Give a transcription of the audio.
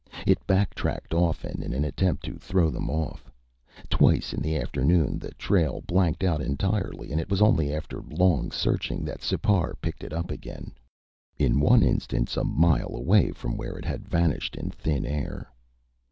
It backtracked often in an attempt to throw them off. Twice in the afternoon, the trail blanked out entirely and it was only after long searching that Sipar picked it up again in one instance, a mile away from where it had vanished in thin air.